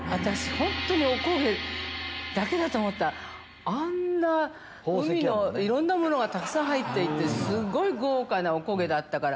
本当にお焦げだけだと思ったらあんな海のいろんなものがたくさん入っていてすごい豪華なお焦げだったから。